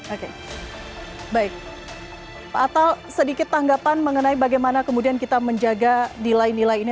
oke baik pak atal sedikit tanggapan mengenai bagaimana kemudian kita menjaga nilai nilai ini